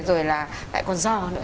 rồi lại còn giò nữa